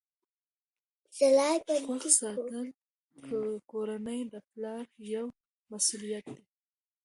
د خوښۍ ساتل د کورنۍ د پلار یوه مسؤلیت ده.